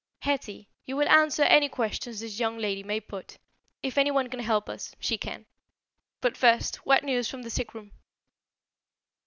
"Hetty, you will answer any questions this young lady may put. If anyone can help us, she can. But first, what news from the sick room?"